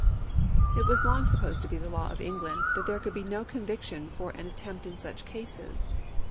It was long supposed to be the law of England that there could be no conviction for an attempt in such cases.